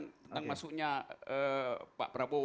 tentang masuknya pak prabowo